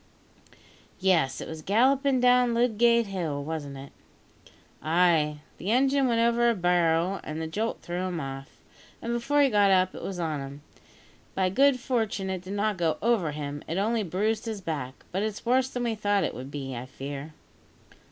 "Yes, it was gallopin' down Ludgate Hill, wasn't it?" "Ay; the engine went over a barrow, and the jolt threw him off, and before he got up it was on him. By good fortune it did not go over him; it only bruised his back; but it's worse than we thought it would be, I fear."